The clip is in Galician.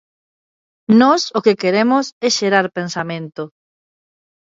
Nós o que queremos é xerar pensamento.